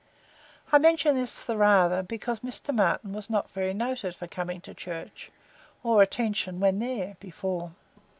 I mention this the rather, because Mr. Martin was not very noted for coming to church, or attention when there, before.